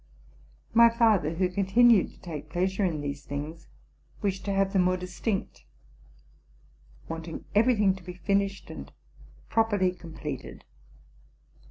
My father, who continued to take pleasure in these things, wished to have them more distinct, wanting every thing to be finished and properly com pleted.